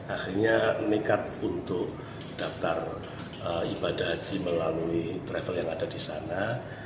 akhirnya nekat untuk daftar ibadah haji melalui travel yang ada di sana